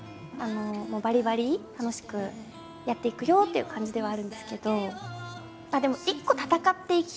ばりばり楽しくやっていくよっていう感じではあるんですけど。